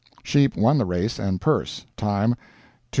"Sheep" won the race and purse; time 2:17.